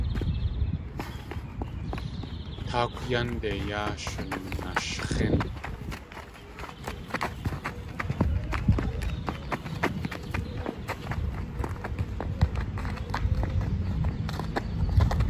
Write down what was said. Táakw yánde yaa shunashx̲ín.